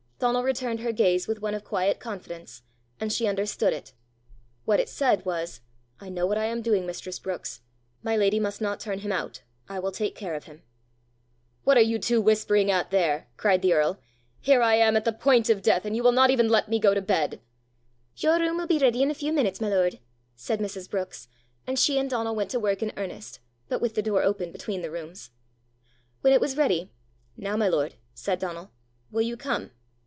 Donal returned her gaze with one of quiet confidence, and she understood it. What it said was, "I know what I am doing, mistress Brookes. My lady must not turn him out. I will take care of him." "What are you two whispering at there?" cried the earl. "Here am I at the point of death, and you will not even let me go to bed!" "Your room will be ready in a few minutes, my lord," said Mrs. Brookes; and she and Donal went to work in earnest, but with the door open between the rooms. When it was ready, "Now, my lord," said Donal, "will you come?"